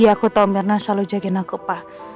iya aku tau mirna selalu jagain aku pak